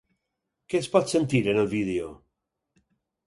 Què es pot sentir en el vídeo?